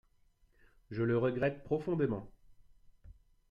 Je le regrette profondément.